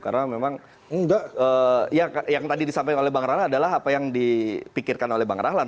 karena memang yang tadi disampaikan oleh bang rahlan adalah apa yang dipikirkan oleh bang rahlan